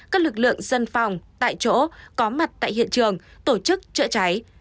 các lực lượng dân phòng tại chỗ có mặt tại hiện trường tổ chức chữa cháy